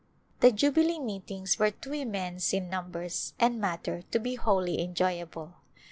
The Jubilee meetings were too immense in numbers and matter to be wholly enjoyable.